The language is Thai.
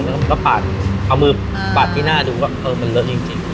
แล้วก็ปาดเอามือปาดที่หน้าดูว่าเออมันเลอะจริง